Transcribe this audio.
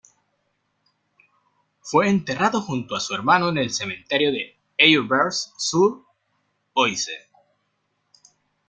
Fue enterrado junto a su hermano en el cementerio de Auvers-sur-Oise.